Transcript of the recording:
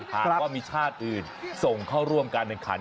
หากว่ามีชาติอื่นส่งเข้าร่วมการแข่งขัน